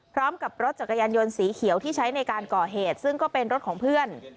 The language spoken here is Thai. พร้อมกับรถจักรยานยนต์สีเขียวที่ใช้ในการก่อเหตุซึ่งก็เป็นรถของเพื่อน